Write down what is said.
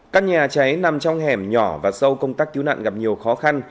các nhà cháy nằm trong hẻm nhỏ và sâu công tác cứu nạn gặp nhiều khó khăn